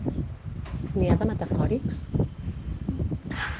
N'hi ha de metafòrics?